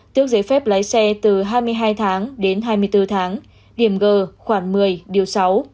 tước giấy phép lái xe từ hai mươi hai tháng đến hai mươi bốn tháng điểm g khoảng một mươi điều sáu